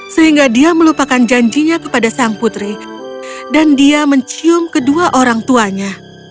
sehingga dia melupakan janjinya kepada sang putri dan dia mencium kedua orang tuanya